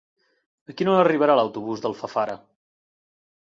A quina hora arriba l'autobús d'Alfafara?